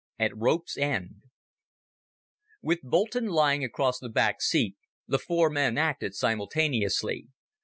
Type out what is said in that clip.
At Rope's End With Boulton lying across the back seat, the four men acted simultaneously.